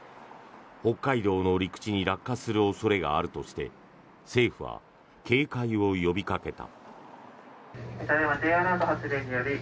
北海道の陸地に落下する恐れがあるとして政府は警戒を呼びかけた。